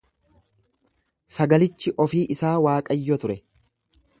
Sagalichi ofii isaa Waaqayyo ture.